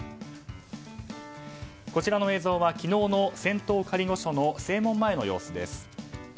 こちらの映像は昨日の仙洞仮御所の正門前の様子です。